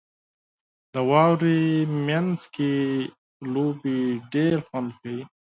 • د واورې مینځ کې لوبې ډېرې خوند کوي.